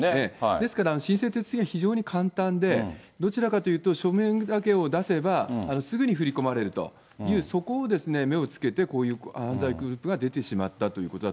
ですから、申請手続きは非常に簡単で、どちらかというと書面だけを出せば、すぐに振り込まれるという、そこを目をつけてこういう犯罪グループが出てしまったということ